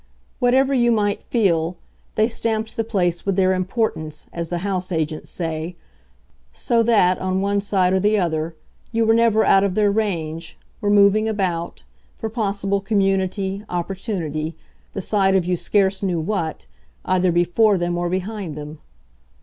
Whatever you might feel, they stamped the place with their importance, as the house agents say; so that, on one side or the other, you were never out of their range, were moving about, for possible community, opportunity, the sight of you scarce knew what, either before them or behind them.